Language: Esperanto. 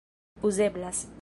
uzeblas